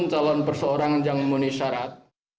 namun calon berseorang yang memiliki syarat